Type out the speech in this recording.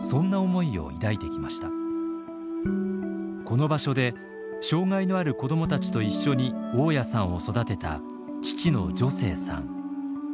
この場所で障害のある子どもたちと一緒に雄谷さんを育てた父の助成さん。